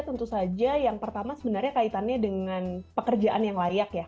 tentu saja yang pertama sebenarnya kaitannya dengan pekerjaan yang layak ya